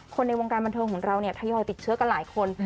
ในวงการบันเทิงของเราเนี่ยทยอยติดเชื้อกันหลายคน